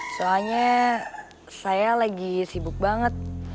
soalnya saya lagi sibuk banget